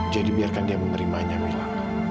jadi biarkan dia menerimanya mila